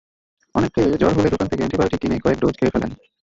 অনেকে জ্বর হলে দোকান থেকে অ্যান্টিবায়োটিক কিনে কয়েক ডোজ খেয়ে ফেলেন।